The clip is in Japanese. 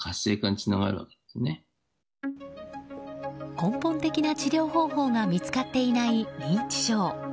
根本的な治療方法が見つかっていない認知症。